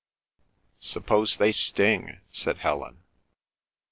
"Suppose they sting?" said Helen.